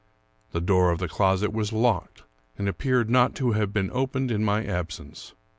The door of the closet was locked, and appeared not to have been opened in m.y absence.